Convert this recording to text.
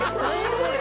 これ！